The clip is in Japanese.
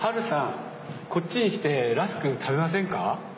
こっちに来てラスク食べませんか？